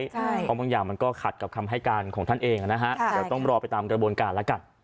เพราะบางอย่างมันก็ขัดกับคำให้การของท่านเองนะฮะเดี๋ยวต้องรอไปตามกระบวนการแล้วกัน